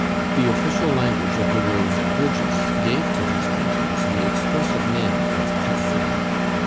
The official language of the Roads and Bridges gave to these gratings the expressive name of Cassis.